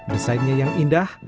desainnya yang indah